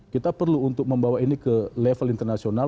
kita perlu untuk membawa ini ke level internasional